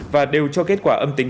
và đều cho kết quả âm tính